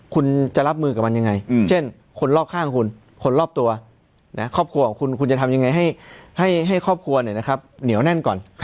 คุณจะรับมือกับมันยังไงเช่นคนรอบข้างคุณคนรอบตัวครอบครัวครอบครัวของคุณคุณจะทำยังไงให้ครอบครัวเหนียวแน่นก่อน